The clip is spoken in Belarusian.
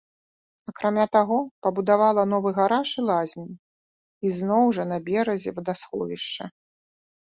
Акрамя таго, пабудавала новы гараж і лазню, ізноў жа, на беразе вадасховішча.